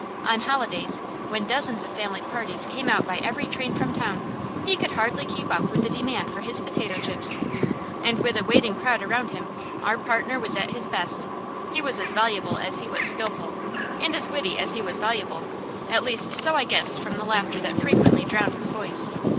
On holidays, when dozens of family parties came out by every train from town, he could hardly keep up with the demand for his potato chips. And with a waiting crowd around him our partner was at his best. He was as voluble as he was skilful, and as witty as he was voluble; at least so I guessed from the laughter that frequently drowned his voice.